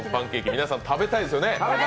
皆さん、食べたいですよね？